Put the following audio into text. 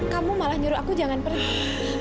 kamu malah nyuruh aku jangan pernah